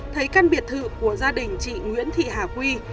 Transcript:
thấy căn biệt thự của gia đình chị nguyễn thị hà quy